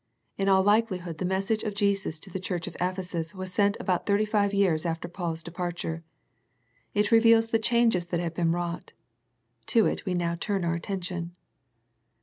In all likelihood the message of Jesus to the church of Ephesus was sent about thirty five years after Paul's departure. It reveals the changes that had been wrought. To it we now turn our attention.